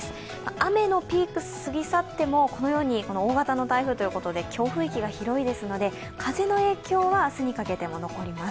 雨のピークは過ぎ去っても大型の台風ということで強風域が広いですので、風の影響は明日も残ります。